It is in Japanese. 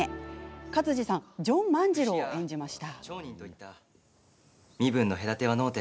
勝地さんはジョン万次郎を演じました。